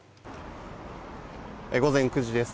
午前９時です。